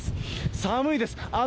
寒いです。